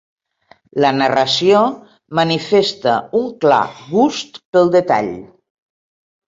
La narració manifesta un clar gust pel detall.